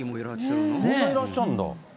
そんないらっしゃるんだ。